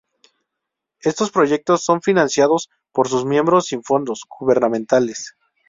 Estos proyectos son financiados por sus miembros sin fondos gubernamentales.